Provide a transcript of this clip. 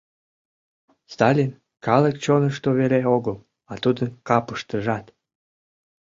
Сталин — калык чонышто веле огыл. а тудын капыштыжат.